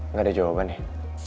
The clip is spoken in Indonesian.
nggak ada jawaban nih